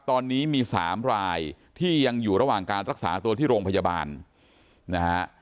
ตอนนี้มี๓รายที่ยังอยู่ระหว่างการรักษาตัวที่โรงพยาบาลนะฮะ